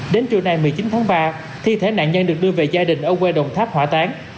đến trưa nay một mươi chín tháng ba thi thể nạn nhân được đưa về gia đình ở quê đồng tháp hỏa tán